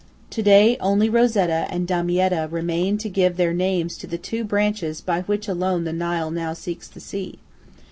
To day only Rosetta and Damietta remain to give their names to the two branches by which alone the Nile now seeks the sea.